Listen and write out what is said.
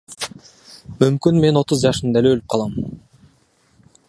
Мүмкүн мен отуз жашымда эле өлүп калам?